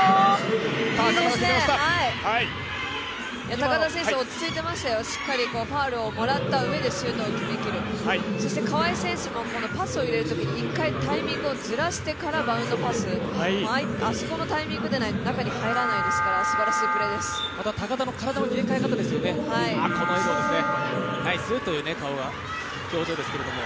高田選手、落ち着いていましたよ、しっかりファウルをもらったうえでシュートを決めきる、そして川井選手もこのパスを入れるときに１回タイミングをずらしてからバウンドパス、あそこのタイミングでないと中に入らないですから高田の体の入れ替え方ですよね、この笑顔ですね、ナイスという顔、表情ですけれども。